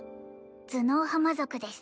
頭脳派魔族です